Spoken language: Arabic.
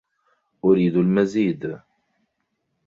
أريد المزيد